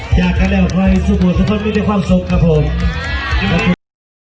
ขอบคุณกำลังใจจากทุกท่านนะครับขอบคุณทีน้องที่ดูแล